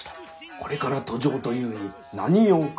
「これから登城というに何用か？」。